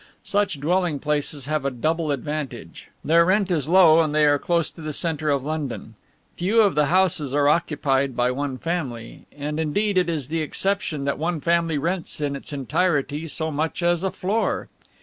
Such dwelling places have a double advantage. Their rent is low and they are close to the centre of London. Few of the houses are occupied by one family, and indeed it is the exception that one family rents in its entirety so much as a floor.